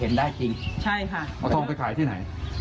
เห็นได้จริงใช่ค่ะเยอะเยอะเอาทองไปขายที่ไหน